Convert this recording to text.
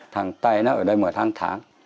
thằng tây nó ở đây mở tháng tháng